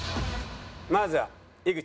まずは井口。